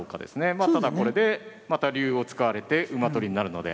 まあただこれでまた竜を使われて馬取りになるので。